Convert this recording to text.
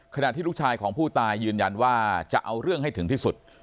ขณะที่ลูกชายของผู้ตายยืนยันว่าจะเอาเรื่องให้ถึงที่สุด